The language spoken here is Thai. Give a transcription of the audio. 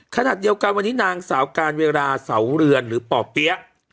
ขณะเดียวกันวันนี้นางสาวการเวลาเสาเรือนหรือป่อเปี๊ยะ